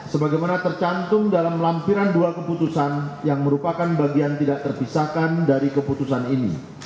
sebagaimana tercantum dalam lampiran dua keputusan yang merupakan bagian tidak terpisahkan dari keputusan ini